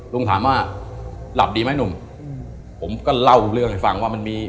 ลุงถามว่าหลับดีไหมหนุ่มผมก็เล่าเรื่องให้ฟังว่ามันมี